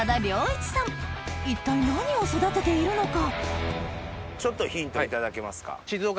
一体何を育てているのか？